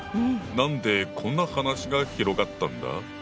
何でこんな話が広がったんだ？